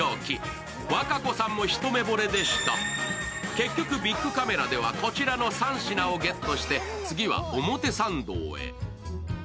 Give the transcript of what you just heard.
結局、ビックカメラではこちらの３品をゲットして、次は表参道へ。